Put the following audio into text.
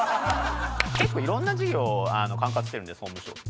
結構いろんな事業管轄してるんで「総務省」って。